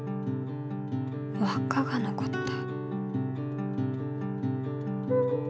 わっかが残った。